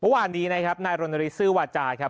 วันนี้นะครับนายโรนาลิซื้อวาจารย์ครับ